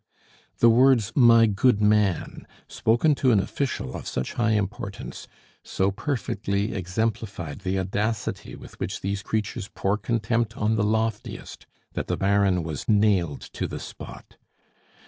The words "my good man," spoken to an official of such high importance, so perfectly exemplified the audacity with which these creatures pour contempt on the loftiest, that the Baron was nailed to the spot.